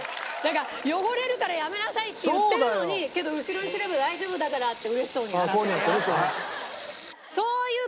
汚れるからやめなさいって言ってるのにけど後ろにすれば大丈夫だからって嬉しそうに洗ってるよ。